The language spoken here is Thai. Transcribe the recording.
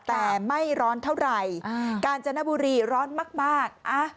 แต่ไม่ร้อนเท่าไหร่กาญจนบุรีร้อนมาก